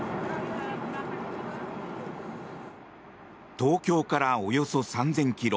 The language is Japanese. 東京からおよそ３０００ｋｍ。